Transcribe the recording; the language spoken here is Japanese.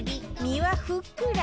身はふっくら！